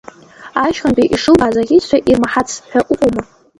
Ашьхантәи ишылбааз аӷьычцәа ирмаҳац ҳәа уҟоума.